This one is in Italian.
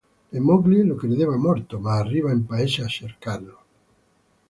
La moglie lo credeva morto ma arriva in paese a cercarlo.